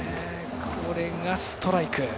これがストライク。